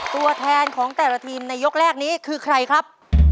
ตัวแทนของแต่ละทีมในยกแรกนี้คือใครครับ